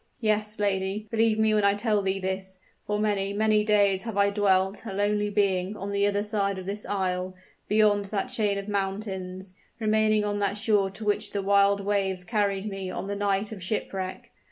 Yes, lady, believe me when I tell thee this! For many many days have I dwelt, a lonely being, on the other side of this isle, beyond that chain of mountains remaining on that shore to which the wild waves carried me on the night of shipwreck.